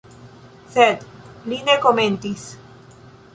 Sed li ne komentis.